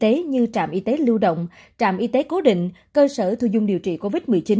cơ sở it như trạm y tế lưu động trạm y tế cố định cơ sở thu dung điều trị covid một mươi chín